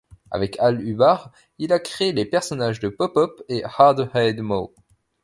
Avec Al Hubbard, il a créé les personnages de Popop et Hard Haid Moe.